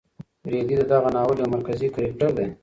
رېدی د دغه ناول یو مرکزي کرکټر دی.